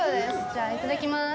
じゃあ、いただきまーす。